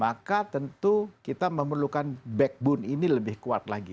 maka tentu kita memerlukan backbone ini lebih kuat lagi